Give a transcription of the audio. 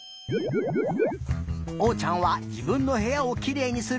おうちゃんはじぶんのへやをきれいにする